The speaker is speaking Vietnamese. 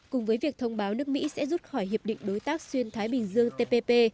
cùng với việc thông báo nước mỹ sẽ rút khỏi hiệp định đối tác xuyên thái bình dương tpp